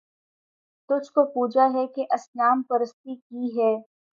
تجھ کو پوجا ہے کہ اصنام پرستی کی ہے